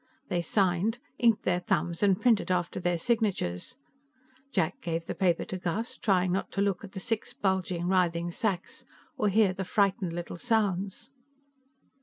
They signed, inked their thumbs and printed after their signatures. Jack gave the paper to Gus, trying not to look at the six bulging, writhing sacks, or hear the frightened little sounds.